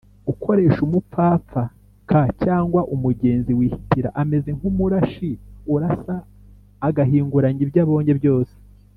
ukoresha umupfapfa k cyangwa umugenzi wihitira ameze nk umurashi urasa agahinguranya ibyo abonye byose